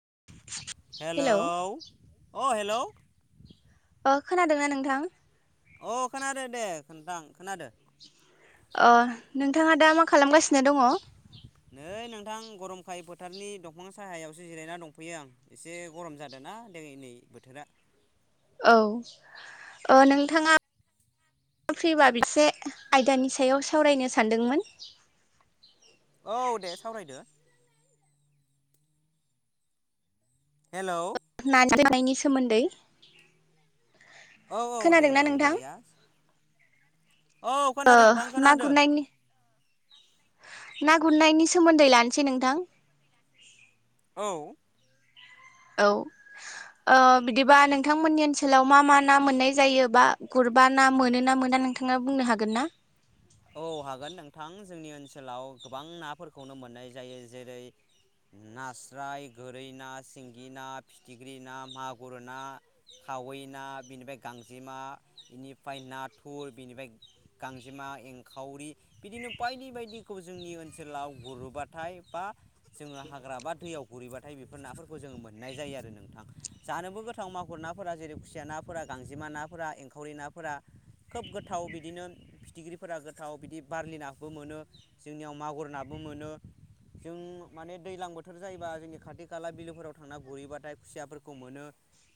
Hello hello अ hello अ खोनादोंना नोंथां अ खोनादो दे नोंथां खोनादो अ नोंथाङा दा मा खालामगासिनो दङ नै नोंथां गरमखायै फोथारनि दंफां साहायावसो जिरायना दंफैयो आं एसे गरम जादों ना दिनै नै बोथोरा औ नोंथाङा फ्रिबा मोनसे आयदानि सायाव सावरायनो सानदोंमोन औ दे सावरायदो हेलौ औ नारजि जानायनि सोमोन्दै औ औ दे औ बरिया औ ओ खोनादों नोंथां ना खोनादो गुरनायनि ना गुरनायनि सोमोन्दै लानोसै नोंथां औ औ बिदिबा नोंथांमोननि ओनसोलाव मा मा ना मोननाय जायोबा गुर बा ना मोनोना मोना नोंथाङा बुंनो हागोनना औ हागोन नोंथां जोंनि ओनसोलाव गोबां नाफोरखौनो मोननाय जायो जेरै नास्राय गोरै ना सिंगि ना फिथिख्रि ना मागुर ना खावै ना बेनिफ्राय गांजेमा बेनिफ्राय नाथुर बेनिफ्राय गांजेमा एं खावरि बिदिनो बायदि बायदिखौ जोंनि ओनसोलाव गुरोबाथाय बा जोङो हाग्रा बा दैयाव गुरैबाथाय बेफोर नाफोरखौ जोङो मोननाय जायो आरो नोंथां जानोबो गोथां मागुर नाफोरा जेरै खुसिया नाफोरा गांजेमा नाफोरा एंखावरि नाफोरा खोब गोथाव बिदिनो फिथिख्रि फोरा गोथाव बिदि बारलि नााबो मोनो जोंनियाव मागुर नाबो मोनो जों माने दैज्लां बोथोर जायोबा जोंनि खाथि खाला बिलोफोराव थांना गुरहैबाथाय खुसियाफोरखौ मोनो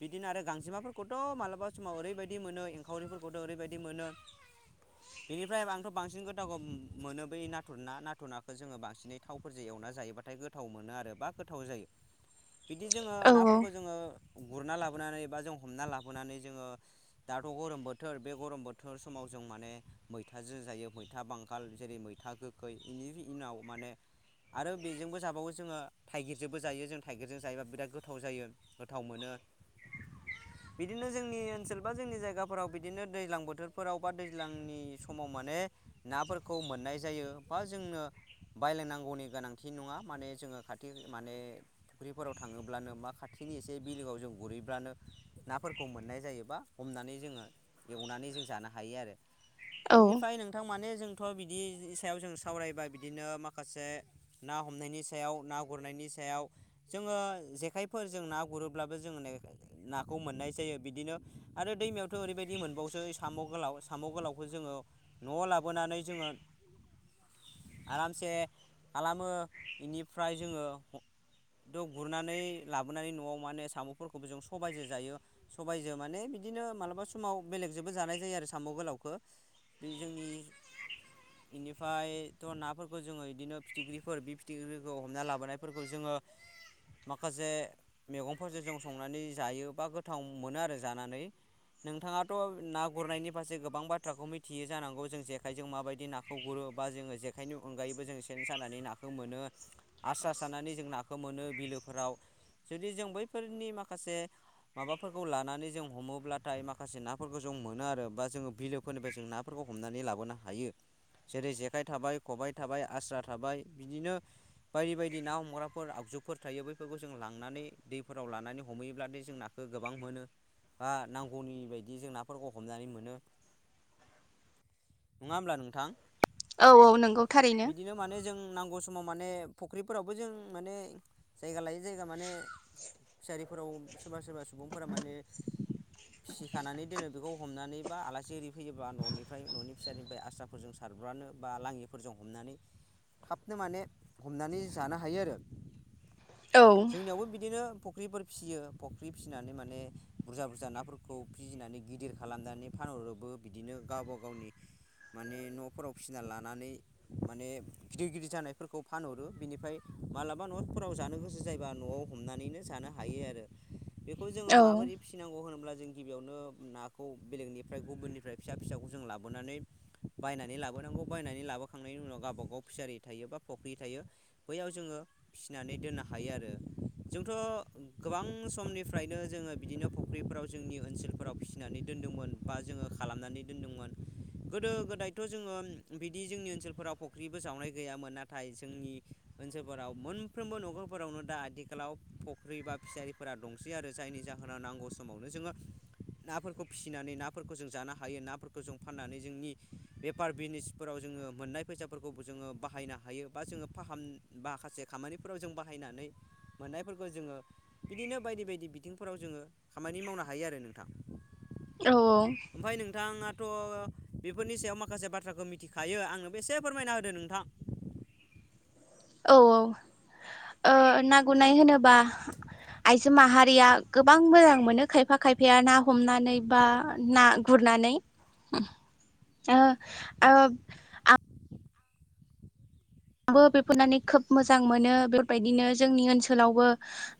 बिदिनो आरो गांजेमाफोरखौथ मालाबा समाव ओरैबायदि मोनो एंखावरिफोरखौथ ओरैबायदि मोनो [inaudible] बेनिफ्राय आंथ बांसिन गोदावखौ मोनो बै नाथुर ना नाथुर नाखौ जोङो बांसिनै थावफोरजों एवना जायोबाथ बाथाय गोथाव मोनो आरो बा गोथाव जायो [inaudible] बिदि जोङो औ नाफोरखौ जोङो गुरना लाबोनानै बा जों हमना लाबोनानै जोङो दाथ' गरम बोथोर बे गरम बोथोर समाव जों माने मैथाजों जायो मैथा बांगाल जेरै मैथा गोखै बेनि उनाव माने आरो बेजोंबो जाबावो जोङो थाइगिरजोंबो जायो जों थाइगिरजों जायोबा बिराद गोथाव जायो गोथाव मोनो [inaudible] बिदिनो जोंनि ओनसोल बा जोंनि जायगाफोराव बिदिनो दैज्लां बोथोरफोराव बा दैज्लांनि समाव माने नाफोरखौ मोननाय जायो बा जोंनो बायलायनांगौनि गोनांथि नङा माने जोङो खाथि माने फुख्रिफोराव थाङोब्लानो मा खाथि नि एसे बिलोआव जों गुरहैब्लानो नाफोरखौ मोननाय जायोबा हमनानै जोङो एवनानै जों जानो हायो आरो औ बेनिफ्राय नोंथां माने जोंथ' बिदिनि सायाव जों सावरायबा बिदिनो माखासे ना हमनायनि सायाव ना गुरनायनि नि सायाव जोङो जेखायफोरजों ना गुरोब्लाबो जों नाखौ मोननाय जायो बिदि बिदिनो आरो दैमायावथ' ओरैबायदि मोनबावसो साम' गोलाव साम' गोलावखौ जोङो न'आव लाबोनानै जोङो आरामसे खालामो बेनिफ्राय जोङो द' गुरनानै लाबोनानै न'आव माने साम'फोरखौबो जों सबायाइजो जायो सबाइजो माने बि बिदिनो मालाबा समाव बेलेगजोंबो जानाय जायो आरो साम' गोलावखौ बे जोंनि बेनिफ्रायथ' नाफोरखौ जोङो बिदिनो फिथिख्रिफोर बे फिथिख्रिफोरखौ हमना लाबोनायफोरखौ जोङो ओ माखासे मैगंफोरजों जों संनानै जायो बा गोथाव मोनो आरो जानानै नोंथाङाथ' ना गुरनायनि फारसे गोबां बाथ्राखौ मिथि थियो जानांगौ जों जेखायजों माबायदि नाखौ गुरो बा जोङो जेखाइनि अनगायैबो जों सेन सानानै नाखौ मोनो आसारा सारननानै जों नाखौ मोनो बिलोफोराव जुदि जों बैफोरनि माखासे माबाफोरखौ लानानै जों हमोब्लाथाय माखासे नाफोरखौ जों मना आरो बा जोङो बिलोफोरनिफ्राय जों नाफोरखौ हमनानै लाबोनो हायो। जेरै जेखाइ थाबाय खबाइ थाबाय आस्रा थाबाय बिदिनो बायदि बायदि ना हमग्राफोर आगजु जुफोर थायो बैफोरखौ जों लांनानै दैफोराव लानानै हमहैयोब्लादि जों नाखौ गोबां मोनो बा नांगौनि बायदि जों नाफोरखौ हमनानै मोनो। नङा होमब्ला नोंथां औ औ नंगौ थारैनो बिदिनो माने जों नांगौ समाव माने फख्रिफोरावबो जों माने जायगा लायै जायगा माने सारिफोराव सोरबा सोरबा सुबुंफोरा माने फिसिखानानै दोनो बेखौ हमनानै बा आलासि इरि फैयो बा न'निफ्राय न'नि फिसानिफ्राय आस्राफोरजों सारब्रानो बा लाङिफोरजों हमनानै थाबनो माने हमनानै जानो हायो आरो औ जोंनियावबो बिदिनो फख्रिफोर फिसियो फख्रि फिसिनानै माने बुरजा बुरजा नाफोरखौ फिसिनानै गिदिर खालामनानै फा फानहरोबो बिदिनो गावबा गावनि माने न'फोराव फिना लानानै माने गिदिर गिदिर जानायफोरखौ फानहरो बिनिफाय मालाबा न'फोराव जानो गोसो जायोबा न'आव हमनानैनो जानो हायो आरो। बेखौ जोङो औ माबोरै फिसिनांगौ होनोब्ला जों गिबियावनो नाखौ बेलेगनिफ्राय गुबुननि फ्राय फिसा फिसाखौजों लाबोनानै बायनानै लाबोनांगौ बायनानै लाबोखांनायनि उनाव गावबा गाव फिसारि थायो बा फख्रि थायो। बैयाव जोङो फिसिनानै दोननो हायो आरो। जोंथ' गोबां समनिफ्रायनो जोङो बिदिनो फख्रिफोराव जोंनि ओनसोलफोराव फिसिनानै दो दोनदोंमोन बा जोङो खालामनानै दोनदोंमोन। गोदो गोदायथ' जोङो बिदि जोंनि ओनसोलफोराव फख्रिबो जावनाय गैयामोन। नाथाय जोंनि ओनसोलफोराव मोनफ्रोमबो न'खरफोरावनो दा आथिखालाव फख्रि बा फिसारिफोरा दंसै आरो जायनि जाहोनाव होनाव नांगौ समावनो जोङो नाफोरखौ फिसिनानै नाफोरखौ जों जानो हा हायो नाफोरखौ जों फाननानै जोंनि बेफार बिजनेसफोराव जोङो मोननाय फैसाफोरखौ जोङो बाहायनो हायो हायो बा जोङो फाहाम बा खासे खामानिफोराव जों बाहायनानै मोननायफोरखौ जोङो बिदिनो बायदि बायदि बिथिंफोराव जोङो खामानि मावनो हायो आरो नोंथां। औ औ ओमफाय नोंथाङाथ' बेफोरनि सायाव माखासे बाथ्राखौ मिथिखायो आंनोबो एसे फोरमायना होदो नोंथां। औ औ ओ ना गुरनाय होनोबा आइजो माहारिया गोबां मोजां मोनो खायफा खायफाया ना हमनानै बा ना गुर नानै ओ ओ आ आंबो [inaudible] नानै खोब मोजां मोनो बेफोर बायदिनो जोंनि ओनसोलावबो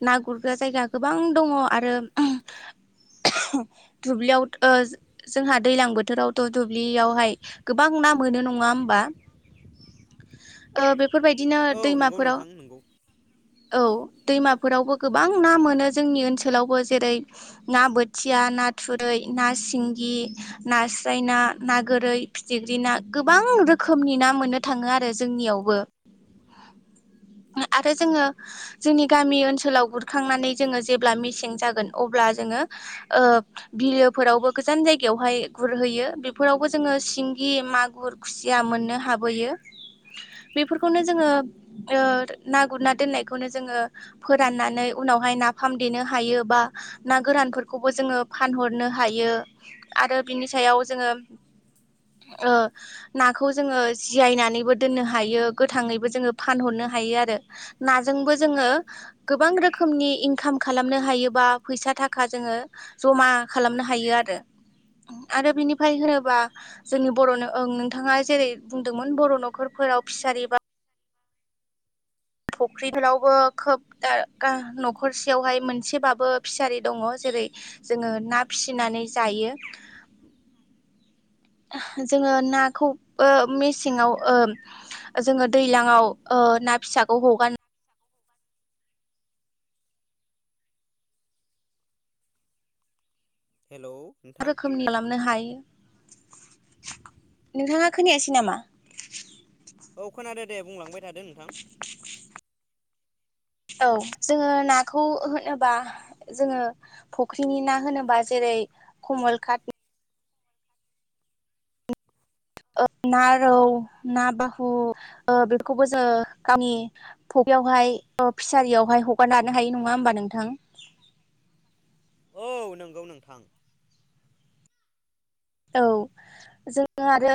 ना गुरग्रा जायगा गोबां दङ' आरो। दुब्लियाव थ ओ जोंहा दैलां बोथोरावथ' दुब्लियावहाय गोबां ना मोनो नङा होनबा? ओ बेफोर बायदिनो औ नंगौ दैमाफोराव नोंथां नंगौ औ दैमाफोरावबो गोबां ना मोनो जोंनि ओनसोलावबो जेरै ना बोथिया ना ना थुरै ना सिंगि नास्राय ना ना गोरै फिथिख्रि ना गोबां रोखोमनि ना मोननो थाङो आरो जोंनियावबो ओ आरो जोङो जोंनि गामि ओनसोलाव गुरखांनानै जोङो जेब्ला मेसें जागोन अब्ला जोङो ओ बिलोफोरावबो गोजान जायगायावहाय गुरहैयो बेफोरावबो जोङो सिंगि मागुर खुस या मोननो हाबोयो बेफोरखौनो जोङो ओ ना गुरना दोननाय खौनो जोङो फोराननानै उनावहाय नाफाम देनो हायो बा ना गोरानफोरखौबो जोङो फानहरनो हायो आरो बिनि सायाव जोङो ओ नाखौ जोङो जिरायनानैबो दोननो हायो गोथाङैबो जोङो फानहरनो हायो आरो ना जोंबो जोङो गोबां रोखोमनि इंखाम खालामनो हायो बा फैसा थाखा जोङो जमा खालामनो हायो आरो। आरो बिनिफ्राय होनोबा जोंनि बर'नों ओं नोंथाङा जेरै बुंदोंमोन बर' न'खरखौ फोराव फिसारि बा फुख्रिफ्रावबो खोबनो न'खरसेयावहाय मोनसेबाबो फिसारि दङ। जेरै जेरै जोङो ना फिसिनानै जायो। जोङो नाखौबो मेसेङाव जोङो दैलाङाव ना फिसाखौ हगारनो हेलौ नोंथां रोखोमनि खालामनो हायो। नोंथाङा खोनायासै नामा? औ खोनादो दे बुंलांबाय थादो नोंथां। औ जोङो नाखौ होनोबा जोङो फुख्रिनि ना होनोबा जेरै कमल कादनि ना रौ ना बाहु बेफोरखौबो जोङो गावनि फखरियावहाय फिसारियावहाय हगारनि लानो हायो नङा होमबा? नोंथां औ नंगौ नोंथां औ जोङो आरो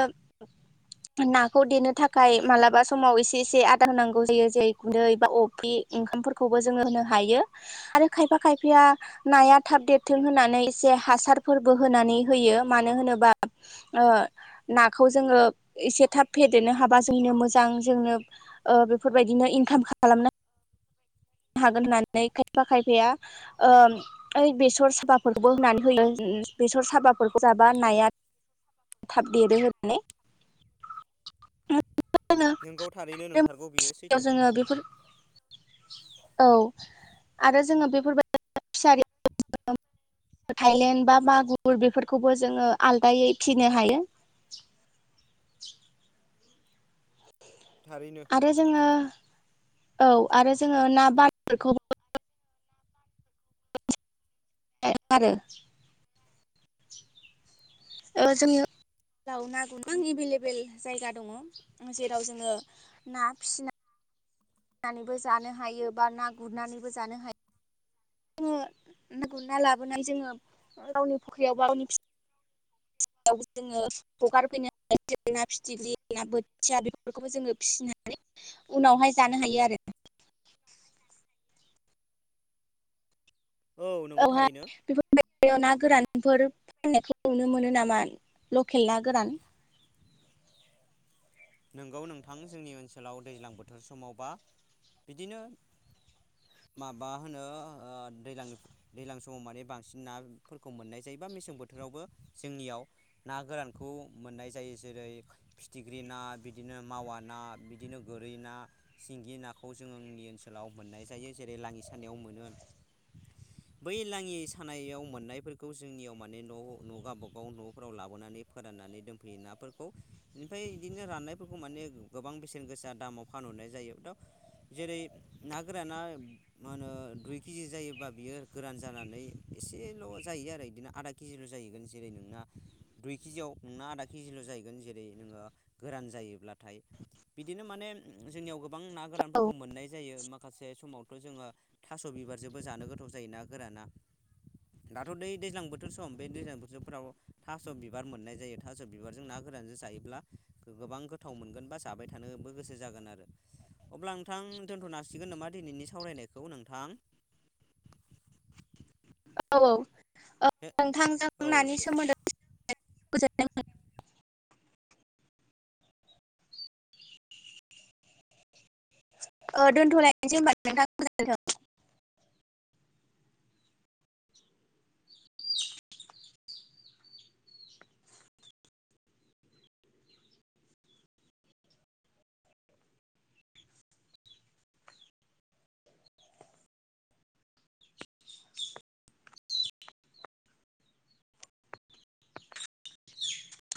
नाखौ देनो थाखाय मालाबा समाव एसे एसे आदार होनांगौ जायो जेरै गुन्दै बा अफ्रि ओंखामफोरखौबो जोङो होनो हायो आरो खायफा खायफाया नाया थाब देरथों होननानै एसे हासारफोरबो होनानै होयो। मानो होनोबा नाखौ जोङो एसे थाब फेदेरनो हाबा जोंनो मोजां जोंनो बेफोरबायदिनो इनकाम खालामनो हायो। हागोन होननानै खायफा खायफाया ओ बेसर साबाफोरखौबो होननानै होयो। बेसर साबाफोरखौ जाबा नाया थाब देरो होनानै नोंगौ थारैनो नोंथारगौ बियो सैथो जोङो बेफोर औ आरो जोङो बेफोरबायदि फिसारि थाइलेण्ड बा मागुर बेफोरखौबो जोङो आलादायै फिनो हायो। थारैनो आरो जोङो औ आरो जोङो ना बारलिफोरखौबो [unintelligible] आरो औ जोङो जाव ना गोबां एभेलेबेल जायगा दङ जेराव जोङो ना फिसिनाय नानैबो जानो हायो बा ना गुरनानैबो जानो हायो जोङो ना गुरना लाबोनाय जोङो गावनि फुख्रियाव बा गावनि फि फि जोङो हगारफैनो हायो ज ना फिथिख्रि ना बोथिया बेफोरखौबो जोङो फिसिनो हायो उनावहाय जानो हायो आरो औ नंगौ थारैनो बेफोर फाननायखौ नुनो मोनो नामा लकेल ना गोरान [inaudible] नोंगौ नोंथां जोंनि ओनसोलाव दैज्लां बोथोर समावबा बिदिनो [inaudible] माबा होनो दैज्लांनि दैज्लां समाव माने बांसिन नाफोरखौ मोननाय जायोबा मेसें बोथो बेावबो जोंनियाव ना गोरानखौ मोननाय जायो जेरै फिथिख्रि ना बिदिनो मावा ना बिदिनो गोरै ना सिंगि नाखौ जोंनि ओनसोलाव मोननाय जायो जे रै लाङि सानायाव मोनो [inaudible] बै लाङि सानायाव मोननायफोरखौ जोंनियाव माने न' न' गावबागाव न'फोराव लाबोनानै फोरान नानै नाफोरखौ ओमफ्राय इदिनो लांनायफोरखौ फोरखौ माने गोबां बेसेन गोसा दामाव फानहरनाय जायो दा जेरै ना गोराना मा होनो दुइ केजि जायोबा बियो गोरान जानानै एसेल जायो आरो बिदिनो आदा केजिल जाहैगोन जेरै नोंना दुइ केजियाव नोंना आदा केजिल जाहैगोन जेरै नोङो गोरान जायो ब्लाथाय बिदिनो माने जोंनियाव गोबां ना औ गोरानफोरखौ मोननाय जायो माखासे समावथ जों ओ थास बिबारजोंबो जानो गोथाव जायो ना गोराना दाथ दै दैज्लां बोथोर सम बे दैज्लां बोथोरफ्राव थास' बिबार मोननाय जायो थास' बिबारजों ना रानजों जायोब्ला गोबां गोथ थाव मोनगोन बा जाबाय थानोबो गोसो जागोन आरो अब्ला नोंथां दोनथ'नो हासिगोन नामा दिनैनि सावरायनाय बेखौ नोंथां [inaudible] औ औ औ ओ नोंथांजों औ नानि दे सोमोन्दै [unintelligible] दोनथलायनोसै होमबा नोंथां। [unintelligible] [inaudible]